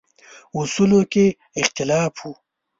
اصولو کې اختلاف و.